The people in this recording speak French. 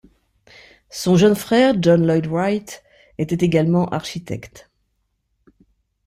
Son jeune frère John Lloyd Wright était également architecte.